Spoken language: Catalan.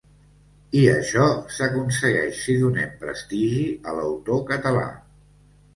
I això s’aconsegueix si donem prestigi a l’autor català.